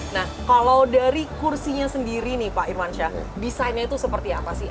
nah kalau dari kursinya sendiri nih pak irmansyah desainnya itu seperti apa sih